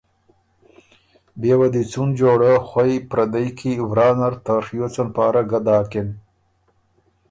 بيې وه دی څُون جوړۀ خوئ پردئ کی ورا نر ته ڒیوڅن پاره ګۀ داکِن۔